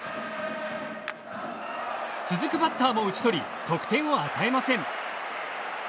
続くバッターも打ち取り得点を与えません。